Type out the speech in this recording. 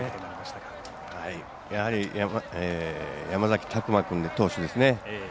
やはり山崎琢磨投手ですね。